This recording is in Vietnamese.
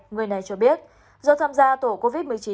người này cho biết do tham gia tổ covid một mươi chín